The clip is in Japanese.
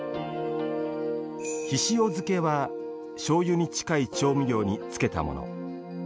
ひしお漬けはしょうゆに近い調味料に漬けたもの。